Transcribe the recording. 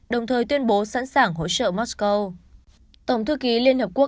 đồng thời tuyên bố sẵn sàng hỗ trợ moscow